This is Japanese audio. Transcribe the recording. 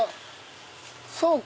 そうか！